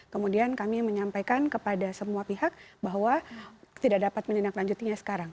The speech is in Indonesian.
kemudian kami menyampaikan kepada semua pihak bahwa tidak dapat menindaklanjutinya sekarang